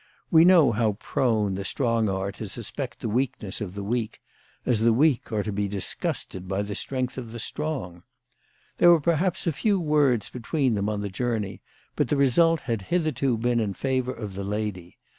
We know how prone the strong are to suspect the weakness of the weak, as the weak are to be dis gusted by the strength of the strong. There were perhaps a few words between them on the journey, but the result had hitherto been in favour of the lady.